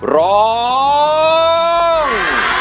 ร้อง